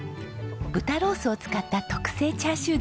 豚ロースを使った特製チャーシューです。